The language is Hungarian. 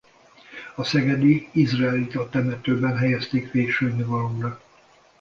A Szegedi izraelita temetőben helyezték végső nyugalomra.